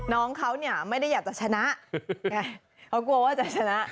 น้องเขาเนี่ยไม่ได้อยากจะชนะไงเขากลัวว่าจะชนะ